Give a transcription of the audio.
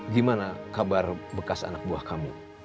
gimana kabar bekas anak buah kamu